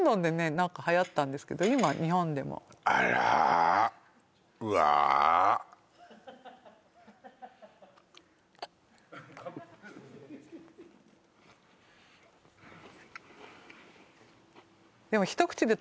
何かはやったんですけど今日本でもあらうわうん！